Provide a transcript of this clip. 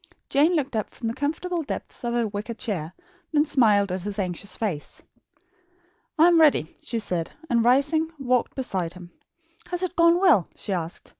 Jane looked up from the comfortable depths of her wicker chair; then smiled at his anxious face. "I am ready," she said, and rising, walked beside him. "Has it gone well?" she asked.